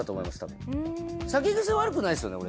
多分酒癖悪くないですよね？